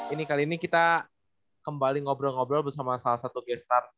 ini kali ini kita kembali ngobrol ngobrol bersama salah satu gestar